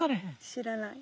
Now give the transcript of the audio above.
知らない。